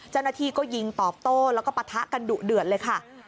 เจ้าหน้าที่ก็ยิงตอบโต้แล้วก็ปะทะกันดุเดือดเลยค่ะ